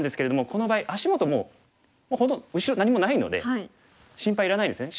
この場合足元もう後ろ何もないので心配いらないですよね。